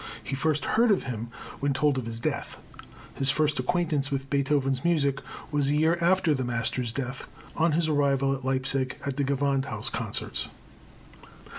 He first heard of him when told of his death. His first acquaintance with Beethoven's music was a year after the master's death, on his arrival at Leipzig at the Gewandhaus concerts.